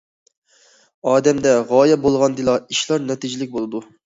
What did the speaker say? ئادەمدە غايە بولغاندىلا ئىشلار نەتىجىلىك بولىدۇ.